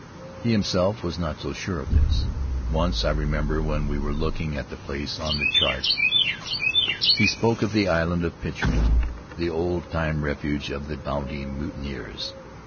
He him self was not so sure of this. Once, I remember, when we were looking at the place on the chart, he spoke of the island of Pitcairn, the old time refuge of the Bounty mutineers.